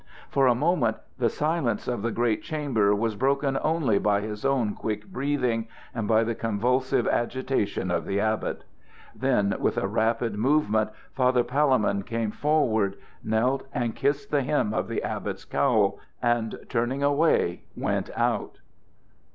For a moment the silence of the great chamber was broken only by his own quick breathing and by the convulsive agitation of the abbot. Then with a rapid movement Father Palemon came forward, knelt, and kissed the hem of the abbot's cowl, and, turning away, went out.